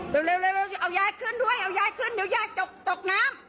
เร็วเอายายขึ้นด้วยเอายายขึ้นเดี๋ยวยายตกน้ำ